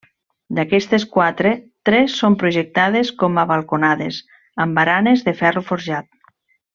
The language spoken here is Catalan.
D'aquestes quatre, tres són projectades com a balconades amb baranes de ferro forjat.